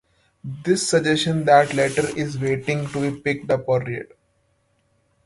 This suggests that the letter is waiting to be picked up or read.